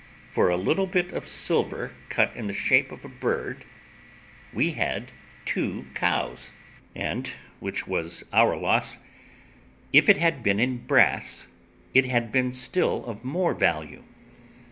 For a little bit of silver cut in the shape of a bird, we had two cows, and, which was our loss, if it had been in brass, it had been still of more value.